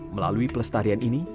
melalui pelestarian ini